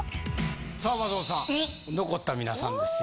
さあ松本さん残った皆さんですよ。